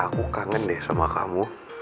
aku kangen deh sama kamu